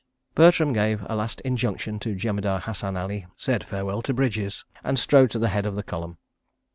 Bertram gave a last injunction to Jemadar Hassan Ali, said farewell to Bridges, and strode to the head of the column.